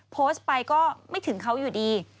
โพสต์ไปก็ไม่ถึงเขาอยู่ดี